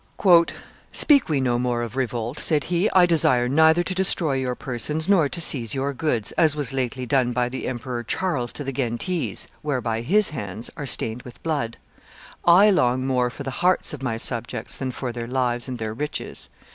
"Speak we no more of revolt," said he; "I desire neither to destroy your persons nor to seize your goods, as was lately done by the Emperor Charles to the Ghentese, whereby his hands are stained with blood; I long more for the hearts of my subjects than for their lives and their riches.